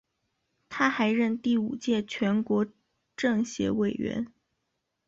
他还任第五届全国政协委员。